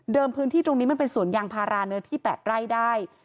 พื้นที่ตรงนี้มันเป็นสวนยางพาราเนื้อที่๘ไร่ได้